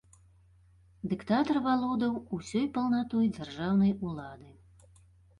Дыктатар валодаў усёй паўнатой дзяржаўнай улады.